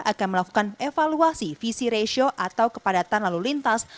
akan melakukan evaluasi visi ratio atau kepadatan lalu lintas